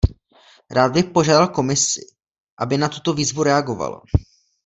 Rád bych požádal Komisi, aby na tuto výzvu reagovala.